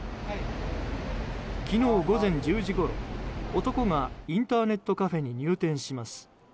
昨日午前１０時ごろ男がインターネットカフェに入店します。